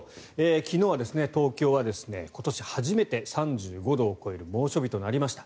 昨日は東京は今年初めて３５度を超える猛暑日となりました。